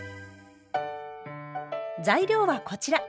材料はこちら。